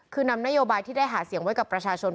คือนำนโยบายที่ได้หาเสียงไว้กับประชาชน